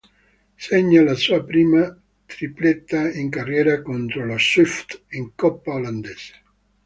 Segna la sua prima tripletta in carriera contro lo Swift in coppa olandese.